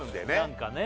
何かね